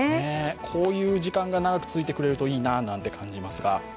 こういう時間が長く続いてくれるといいなと感じますが。